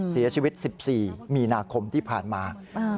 เสียชีวิต๑๔มีนาคมที่ผ่านมา